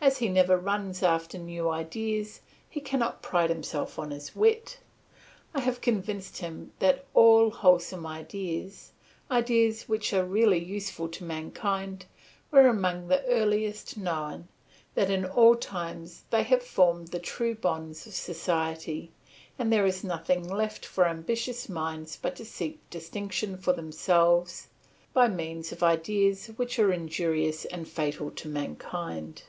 As he never runs after new ideas, he cannot pride himself on his wit. I have convinced him that all wholesome ideas, ideas which are really useful to mankind, were among the earliest known, that in all times they have formed the true bonds of society, and that there is nothing left for ambitious minds but to seek distinction for themselves by means of ideas which are injurious and fatal to mankind.